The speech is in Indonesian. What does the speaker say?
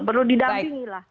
perlu didampingi lah